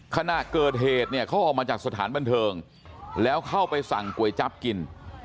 ขณะเกิดเหตุเนี่ยเขาออกมาจากสถานบันเทิงแล้วเข้าไปสั่งก๋วยจั๊บกิน